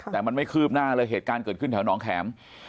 แต่มันไม่คืบหน้าเลยเหตุการณ์เกิดขึ้นแถวหนองแข็ม